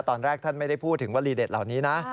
ตอนแรกท่านไม่ได้พูดถึงวลีเด็ดเหล่านี้นะ